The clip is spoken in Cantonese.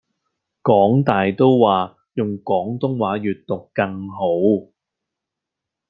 港大都話用廣東話閱讀更好